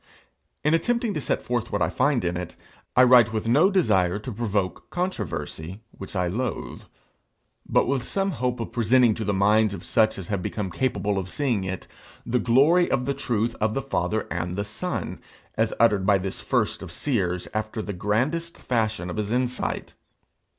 In attempting to set forth what I find in it, I write with no desire to provoke controversy, which I loathe, but with some hope of presenting to the minds of such as have become capable of seeing it, the glory of the truth of the Father and the Son, as uttered by this first of seers, after the grandest fashion of his insight.